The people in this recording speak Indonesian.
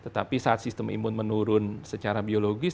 tetapi saat sistem imun menurun secara biologis